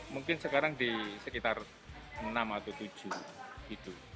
mungkin sekarang di sekitar enam atau tujuh gitu